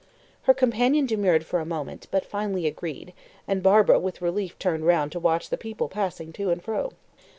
Her companion demurred for a moment, but finally agreed, and Barbara with relief turned round to watch the people passing to and fro.